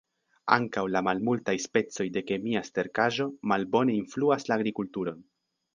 Ankaŭ la malmultaj specoj de kemia sterkaĵo malbone influas la agrikulturon.